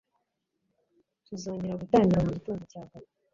Tuzongera gutangira mugitondo cyakare.